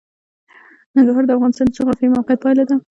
ننګرهار د افغانستان د جغرافیایي موقیعت پایله ده.